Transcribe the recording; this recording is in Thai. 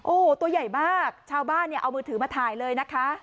โอ้โหตัวใหญ่มากชาวบ้านเนี่ยเอามือถือมาถ่ายเลยนะคะ